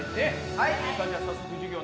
はい。